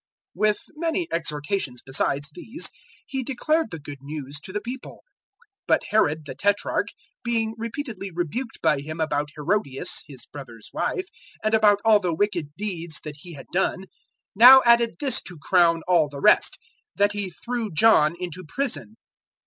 003:018 With many exhortations besides these he declared the Good News to the people. 003:019 But Herod the Tetrarch, being repeatedly rebuked by him about Herodias his brother's wife, and about all the wicked deeds that he had done, 003:020 now added this to crown all the rest, that he threw John into prison.